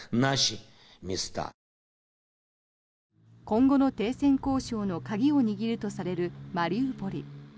今後の停戦交渉の鍵を握るとされるマリウポリ。